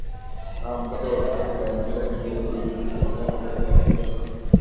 naam kabla hatuja maliza kipindi hiki tunaungana moja kwa moja na